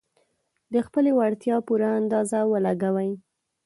د خپلې وړتيا پوره اندازه ولګوي.